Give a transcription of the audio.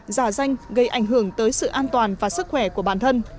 giả danh gây ảnh hưởng tới sự an toàn và sức khỏe của bản thân